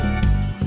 ya udah makasih ya